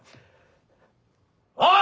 おい！